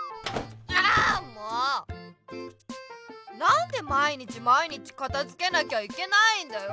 なんで毎日毎日かたづけなきゃいけないんだよ。